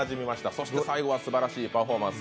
そして最後は、すばらしいパフォーマンス。